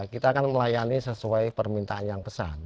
kita akan melayani sesuai permintaan yang pesan